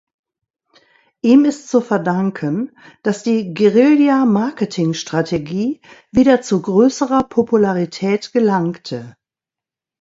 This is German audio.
Ihm ist zu verdanken, dass die Guerilla-Marketing-Strategie wieder zu größerer Popularität gelangte.